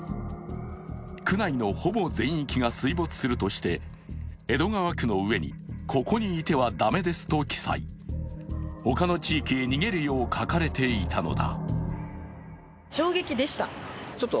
区内のほぼ全域が水没するとして江戸川区の上に「ここにいてはダメです」と記載ほかの地域へ逃げるよう書かれていたのだ。